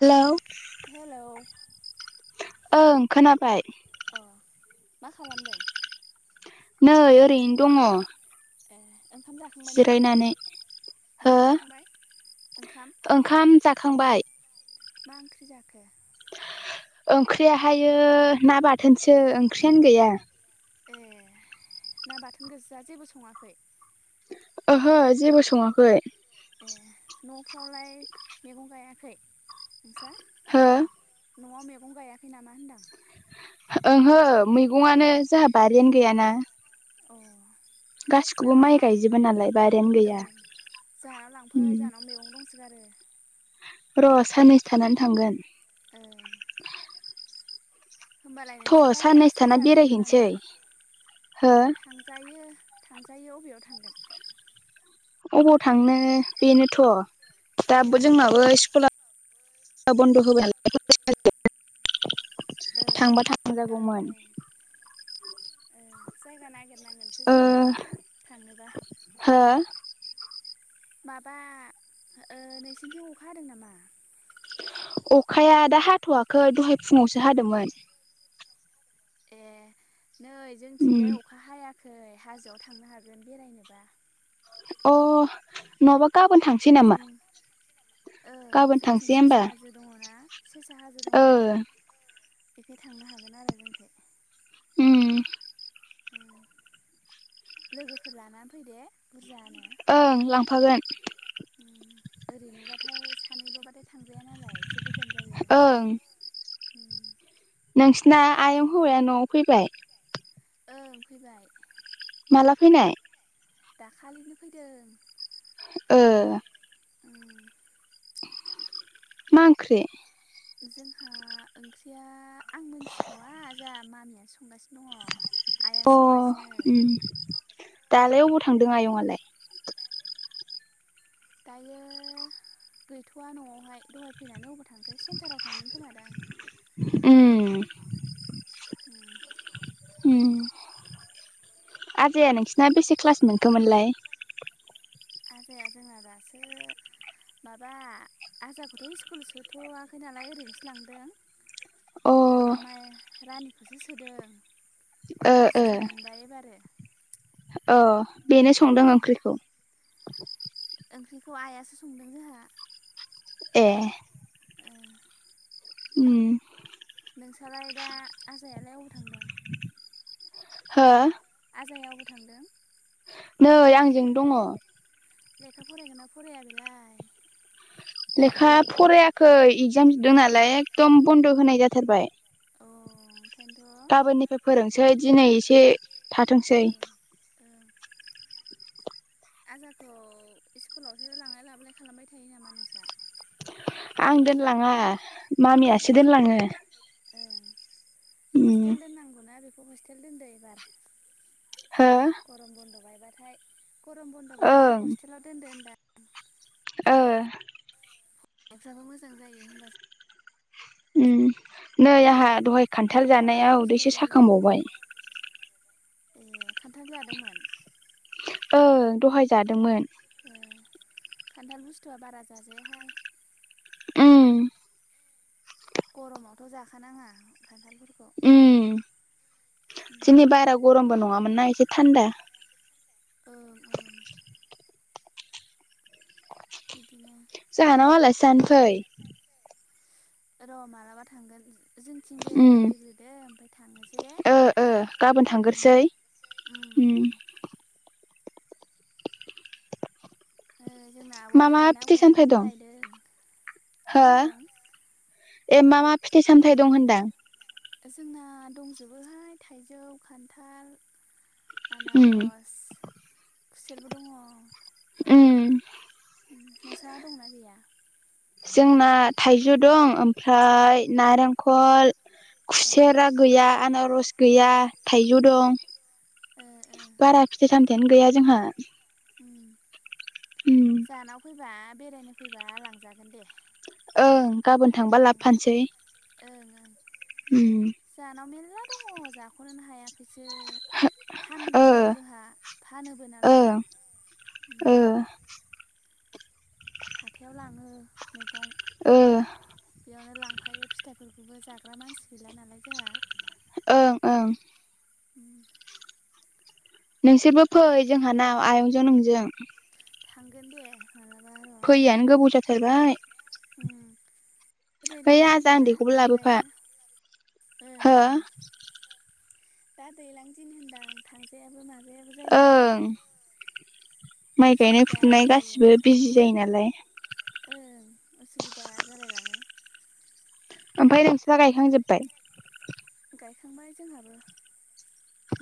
Hello. Hello ओं खोनाबाय। अ मा खालामदों? नै ओरैनो दङ। ए ओंखाम जाखांबाय नामा जिरायनानै हो ओंखाम जाखांबाय ओंखाम खांबाय मा ओंख्रि जाखो? ओंख्रियाहायो ना बाथोनसो ओंख्रियानो गैया। ए ना बाथोन गोजा जेबो सङाखै? ओहो जेबो सङाखै। ए न'फ्रावलाय मैगं गायाखै नोंसा हो? न'आव मैगं गायाखै नामा होनदां? ओहो मैगंआनो जोंहा बारियानो गैयाना। औ गासिखौबो माइ गायजोबो नालाय बारियानो ओ गैया जोहानाव लांफै उम जोहानाव मैगं दंसोगारो। र' साननैसो थानानै थांगोन। ओ होमबालाय नोंसोर थ' साननैसो बायनानैसो थाना जाजोबो नामा बेरायहैनोसै हो थांजायो। थांजायो अबेयाव थांगोन? अबाव थांनो बेनोथ' दाबो जायगाखौथ' जोंनाबो स्कुला बन्द [unintelligible] ओं थांबा ओं थांजागौमोन। ओं जायगा नागिरनांगोनसो ओ जोंना थाङोबा। हो माबा ओ नोंसिनिथिं अखा हादों नामा? अखाया दा हाथ'याखै दहाय फुङावसो हादोंमोन। ए नै उम जोंथिंजाय अखा हाया खै हाजोआव थांनो हागोन बेरायनोबा। अ नङाबा गाबोन थांसै नामा? जों ओं गाबोन जोंथिं थांसै होमबा सेसा हाजो दङ ना सेसा हाजो दङ ओ ना बेखाय थांनो हागोन आरो जोंखाय। उम लोगोफोर लानानै फै दे बुरजानो। ओं लांफागोन। उम ओरैनोबाथाय सानैल'बाथाय थांजाया नालाय एसे गोजोन जायो। ओं। [inaudible] नोंसिना आयं हौवाया न'आव फैबाय। ओं फैबाय। माला फैनाय? दाखालिनो फैदों। ओ। उम मा ओंख्रि। जोंहा ओंख्रिया आं मोनथिथ'वा जोंहा मामियानो संगासिनो दङ। आइया अ संगासिनो उम दालाय अबाव थांदों ओं आयंआालाय। दायोायो गैथ'वा न'आवहाय दहाय फैनानै अबा थांखो सेन्टाराव थांदों खोमादों दां। उम उम उम आजाया नोंसिना बेसे क्लास मोनखोमोनलाय। आजाया जोंना दासो माबा आजाखौथ' स्कुल सोथ'वाखै नालाय ओरैनोसो लांदों अ ओ जोंना माइ रानिखौसो सोदों। क्लास थु मोनबाय एबारो। औ बेनो संदों उम ओंख्रिखौ। ओंख्रिखौ आइआसो संदों जोंहा। ए ओ उम नोंस्रालाय दा आजालाय अबाव थांदों? हा? आजाया अबाव थांदों? नै आंजोंनो दङ। लेखा फरायगोन ना फराया बेलाय? लेखा फरायाखै एगजाम जोबदों नालाय एखदम बन्द' होनाय जाथारबाय। अ ओंखायथ'। गाबोननिफ्राय फोरोंसै दिनै एसे थाथोंसै। ओं ओं [unintelligible] आजाखौ स्कुलावसो लांलाय लाबोलाय खालामबाय थायो नामा नोंस्रा? आं दोनलाङा। ए मामियासो दोनलाङो ओम। ओं हस्टेल दोननांगौना बेखौ हस्टेल दोनदो ओइबार। हो गरम बन्द' बायबाथाय गरम बन्द' बायबाथाय ओं हस्टेलाव दोनदो होनदां। [unintelligible] नोंस्राबो मोजां जायो होमबासो। उम नै आंहा दहाय न'आव खान्थाल थाबा जानायाव दुस्थ' उदैसो जायो साखांबावबाय। ए खान्थाल जादोंमोन? ओं दहाय जादोंमोन। ए खान्थाल बुस्थुआ बारा जाजायहाय। उम गरमावथ' जाखानाङा खान्थालफोरखौ। उम दिनै बारा गरमबो नङामोन ना एसे थान्दा। ओं ओं। बिदिनो। जोंहानाव आलासि जानो फै। र' मालाबा थांगोन जोंथिं उम बेरायनो फैग्रोदो ओमफ्राय थांनोसै दे ओ ओ गाबोन ओम थांगोरसै ओम उम ओम जोंना आब'आ मा मा दहाय ना फिथाइ सामथाइ गुरनानै दं लायदों। मा हो होनदों? ए मा मा फिथाइ सामथायाइ दं होनदां? जोंना दंजोबोहाय थाइजौ, खान्थाल उम आनारस, खुसेरबो दङ। उम नोंस्रा दंना गैया? जोंना थाइजौ दं ओमफ्राय नारेंखल ए खुसेरा गैया, आनारस गैया, थाइजौ दं। ओ ओ बारा फिथाइ-सामथाइयानो गैया जोंहा। उम जोंहानाव फैबा बेरायनो फैबा लांजागोन दे। ओं गाबोन थांबा ओं लाबोफानोसै ओं उम मेला दङ जाख' हायाखैसो। ओम ओ फानदोंबो जोंहा फानोबो नालाय। उम ओं हाथाइयाव लाङो मैगं। ओं। बेयावनो लांफायो फिथाइफोरखौबो जाग्रा मानसि गैला नालाय जोंहा। ओं ओं। [inaudible] नोंसोरबो फै जोंहानाव आयंजों नोंजों। थांगोन दे मालाबा। फैयैयानो गोबाव जाथारबाय। ओइ दैैलांदिनबो आजा ना उन्दैखौबो लाबोफा थांजाया ओं हो ओं दा दै्लां दिन होनदां थांजायाबो मा ओं माइ गायनाय उसुबिदा फुनाय जायो गासिबो बिजि जायो नालाय ओं उसुबिदा जालायलाङो ओमफ्राय नोंस्रा गायखांजोबबाय गायखांबाय जोंहाबो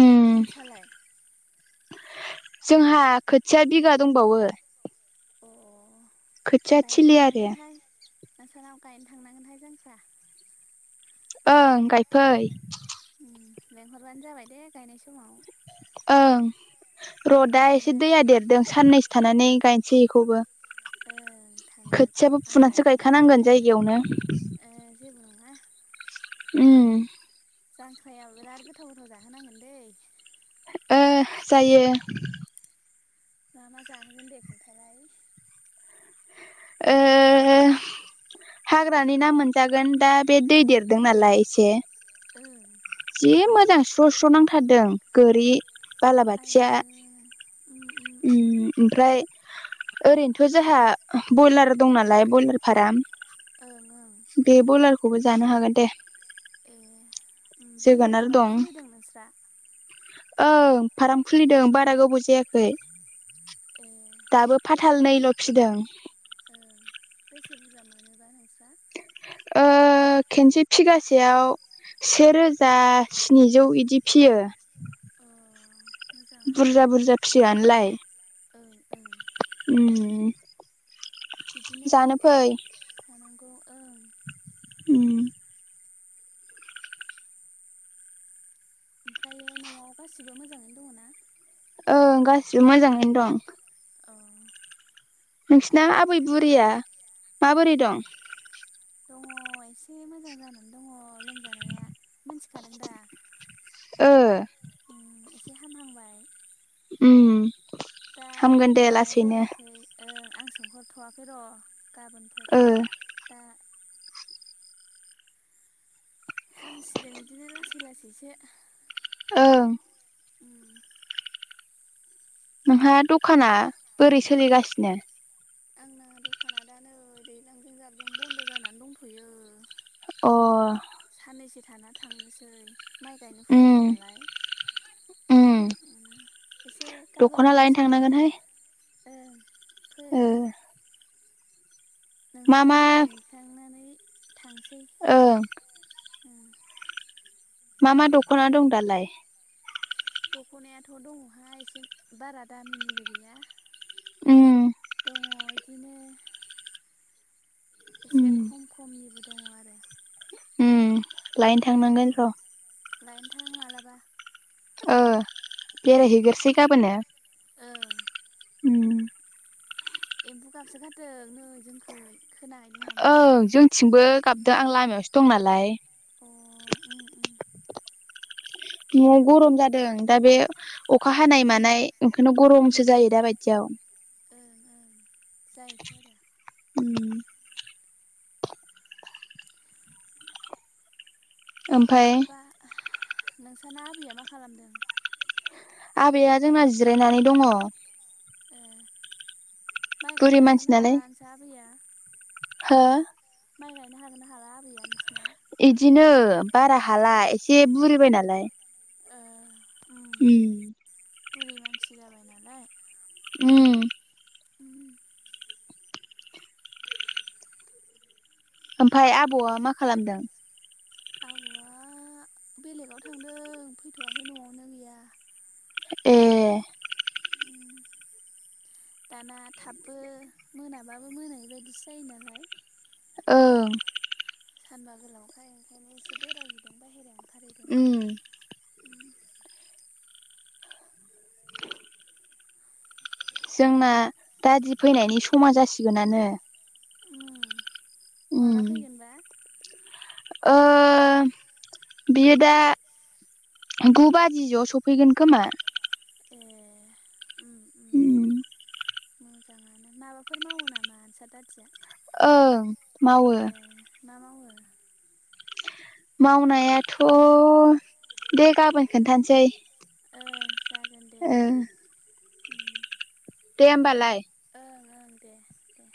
उम नोंसालाय जोंहा खोथिया बिगा दंबावो [inaudible] खोथिआथिलि आरो नोंसोरनाव गायनो थांनांगोनहाय जांख्रा ओं गायफै उम लेंहरबानो जाबाय दे गायनाय समाव ओं र' गायनो दा एसे थांगोन। दैया देरदों साननैसो थानानै गायनोसै बेखौबो ओं थांगोन खोथियाबो आं गायनो फुनानैसो थांगोन गायखानांगोन जायगायावनो ओ जेबो नङा उम जांख्राया बिराद गोथाव गोथाव जाहोनांगोन दै ओ जायो मा मा जाहोगोन दे खोन्थालाय ओ हाग्रानि ना मोनजागोन दा बे दै देरदों नालाय एसे ओं जि मोजां स्र' स्र' नांथारदों गोरि बालाबाथिया आयौ उम उम उम ओमफ्राय ओरैनोथ' जोंहा बयलार दं नालाय ब्रयलार फार्म ओं ओ खौबो जानो हागोन दे ए ब्रयलार जोगोनार फार्म दं खुलिदों नोंस्रा ओं फार्म खुलिदों बारा गोबाव जायाखै ए दाबो बेसे फाथालनैल' फिदों ओं बेसे [unintelligible] ओ ओ खेनसे फिगासेयाव सेेरोजा स्निजौ इदि फियो। अ मोजाङानो दे बुरजा बुरजा फियोआनोलाय ओं ओं [unintelligible] जानो फै [inaudible] उम। ओमफ्रायो न'आव गासिबो मोजाङैनो दङ ना। ओं गासिबो मोजाङैनो दं। अ। नोंसिना आबै बुरिया माबोरै दं। दङ एसे मोजां जानानै दङ लोमजानाया मोनथिखादों दा। ओ उम एसे हामहांबाय। उम। दा हामगोन दे खबर लानाय लासैनो जायाखै ओं आं सोंहरथ'वाखै र'। गाबोनफोर ओ दा हामसिगोन बिदिनो लासै लासैसो ओं। उम। नोंहा दखाना बोरै सोलिगासिनो? आंना दखाना दा नै दैज्लांजों जाबजों बन्द' जानानै दंथ'यो। अ। साननैसो थाना थांनोसै माइ गायनो उम फैदोंमोन नालाय। उम एसे गाबोन दख'ना लायनो नोंसोरजों थांनांगोनहाय ओं फै ओ मा नोंसोर नों बेरायहैखांनानै थांसै ओ ओं मा मा दख'ना दं दालाय। दख'नायाथ' दङहाय एसे बारा दामिनिबो गैया। उम दङ बिदिनो एसे उम खम खमनिबो दङ आरो। उम लायनो उम थांनांगोन र'। लायनो थां मालाबा। ओ उम बेरायहैग्रोसै गाबोनो ओं उम एम्फौ गाबसो गारदों नै जोंखै खोनाहैदों नामा? ओं जोंथिंबो गाबदों आं लामायावसो दं नालाय। अ उम उम। न'आव गरम जादों दा बे अखा हानाय उम मानाय ओंखायनो उम गरमसो जायो दा बायदियाव। ओं जायोथ' आरो। उम ओमफाय माबा नोंसाना आबैया मा खालामदों? आबैया जोंना जिरायनानै दङ। ओ माइ बुरि गायनो मानसि हागोन हाला नालाय नोंसा आबैया। हो माइ गायनो हागोन ना हाला आबैया नोंसिना। इदिनो बारा हाला एसे बुरिबाय नालाय। उम। बुरै मानसि जाबाय नालाय। उम। उम। ओमफाय आबौआ मा खालामदों? आबौआ बेलेगाव थांदों फैथ'वाखै न'आवनो गैया। ए। उम दाना थाबबो मोनाबाबो मोनै बायदिसो जायो नालाय। ओं। सानबा गोलावखाय ओंखायनो एसे बेरायहैदों बाहेरायाव। ओंखारहैदों उम। जोंना दादि फैनायनि समा जासिगोनानो। उम माला उम फैगोनबा। ओ बियो दा गु बाजि ज' सफैगोन खोमा। ए उम उम उम मोजाङानो माबाफोर मावो नामा नोसा दादिया? ओं मावो। ए मा मावो मावनायाथ' दे गाबोन खोन्थानोसै। ओं जा ओ। उम। दे होमबालाय। दे